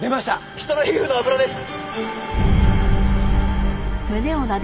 人の皮膚の脂です。